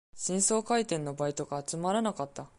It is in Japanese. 新装開店のバイトが集まらなかった